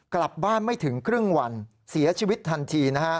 กลับบ้านไม่ถึงครึ่งวันเสียชีวิตทันทีนะฮะ